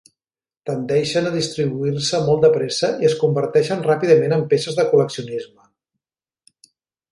Tendeixen a distribuir-se molt de pressa i es converteixen ràpidament en peces de col·leccionisme.